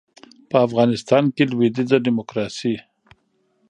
په افغانستان کې لویدیځه ډیموکراسي